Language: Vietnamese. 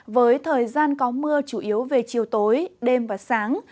với thời gian có mưa chủ yếu về chiều tối đêm và sáng